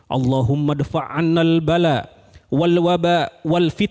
allahumma ja'al baladina indonesia